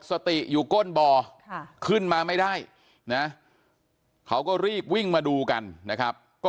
สติอยู่ก้นบ่อขึ้นมาไม่ได้นะเขาก็รีบวิ่งมาดูกันนะครับก็